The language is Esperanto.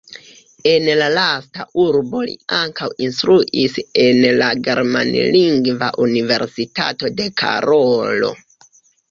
En la lasta urbo li ankaŭ instruis en la germanlingva Universitato de Karolo.